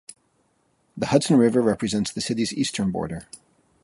The Hudson River represents the city's eastern border.